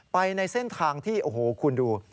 ไปในเส้นทางที่โอ้โหคุณดู